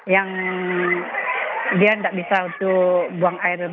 yang dia tidak bisa untuk buang air